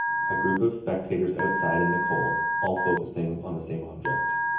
A group of spectators outside in the cold, all focusing on the same object.